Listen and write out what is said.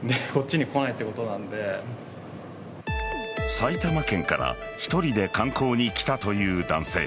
埼玉県から１人で観光に来たという男性。